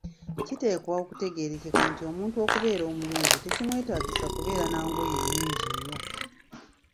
Kiteekwa okutegeerekeka nti omuntu okubeera omuyonjo tekimwetaagisa kubeera na ngoye nnyingi nnyo.